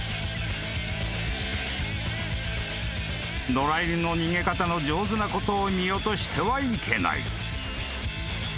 ［野良犬の逃げ方の上手なことを見落としてはいけない］